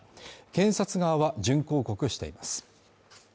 検察側は準抗告しています。